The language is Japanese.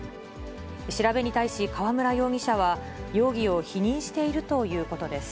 調べに対し河邨容疑者は、容疑を否認しているということです。